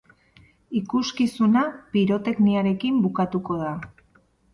Ikuskizuna pirotekniarekin bukatuko da.